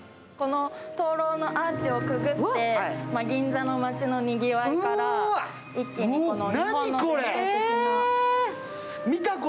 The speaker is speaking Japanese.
灯ろうのアーチをくぐって銀座の街のにぎわいから一気に日本的な。